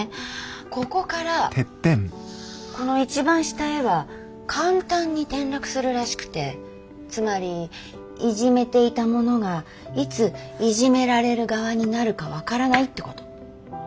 ここからこの一番下へは簡単に転落するらしくてつまりいじめていた者がいついじめられる側になるか分からないってこと。